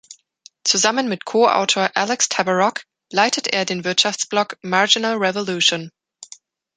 Zusammen mit Co-Autor Alex Tabarrok leitet er den Wirtschaftsblog „Marginal Revolution“.